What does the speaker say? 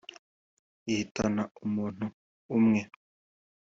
ihitana umuntu umwe